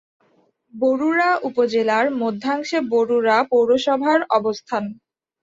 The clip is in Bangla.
বরুড়া উপজেলার মধ্যাংশে বরুড়া পৌরসভার অবস্থান।